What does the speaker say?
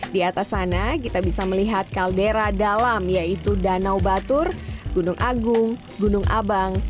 di atas sana kita bisa melihat kaldera dalam yaitu danau batur gunung agung gunung abang